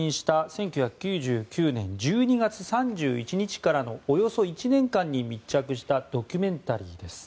１９９９年１２月３１日からのおよそ１年間に密着したドキュメンタリーです。